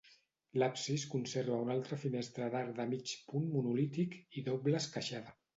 L'absis conserva una altra finestra d'arc de mig punt monolític i doble esqueixada.